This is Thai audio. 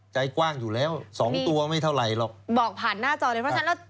ใจกว้างอยู่แล้วสองตัวไม่เท่าไหร่หรอกบอกผ่านหน้าจอเลยเพราะฉะนั้นแล้ว